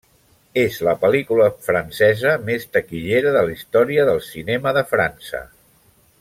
És la pel·lícula francesa més taquillera de la història del cinema de França.